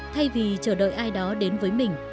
thay vì chờ đợi ai đó đến với mình